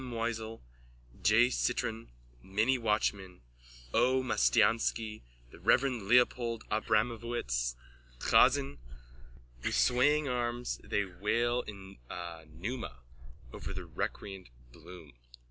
Moisel, J. Citron, Minnie Watchman, P. Mastiansky, The Reverend Leopold Abramovitz, Chazen. With swaying arms they wail in pneuma over the recreant Bloom.)